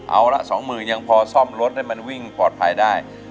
เอาละสองหมื่นยังพอซ่อมรถให้มันวิ่งปลอดภัยได้